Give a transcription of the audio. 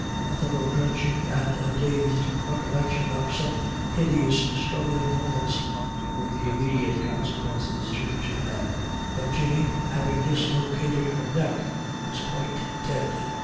A thorough drenching and a dazed recollection of some hideous struggling moments were the immediate consequences to the two men. But Jinny, having dislocated her neck, was quite dead.